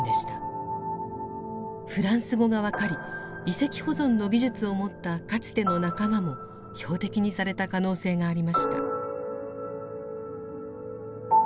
フランス語が分かり遺跡保存の技術を持ったかつての仲間も標的にされた可能性がありました。